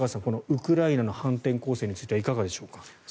ウクライナの反転攻勢についてはいかがでしょうか。